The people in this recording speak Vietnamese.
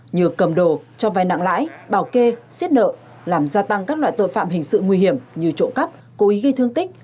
như cầm đồ cho vai nặng lãi bảo kê xiết nợ làm gia tăng các loại tội phạm hình sự nguy hiểm như trộm cắp cố ý gây thương tích